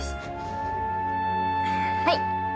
はい。